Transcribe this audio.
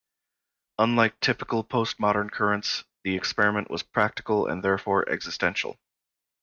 Unlike typical postmodern currents, the experiment was practical and therefore existential.